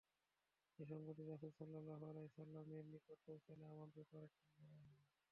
এ সংবাদটি রাসূলুল্লাহ সাল্লাল্লাহু আলাইহি ওয়াসাল্লামের নিকট পৌঁছলে আমার ব্যাপারে তিনি নরম হলেন।